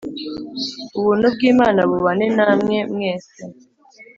Ubuntu bw’Imana bubane namwe mwese